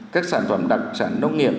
các sản phẩm đặc sản nông nghiệp